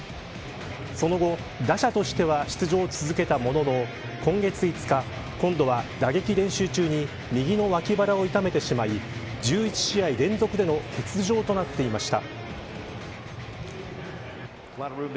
その後、打者としては出場を続けたものの今月５日、今度は打撃練習中に右の脇腹を痛めてしまい１１試合連続での欠場となっていました。